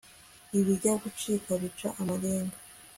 ibijya gucika bica amarenga